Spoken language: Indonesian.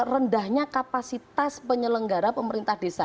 rendahnya kapasitas penyelenggara pemerintah desa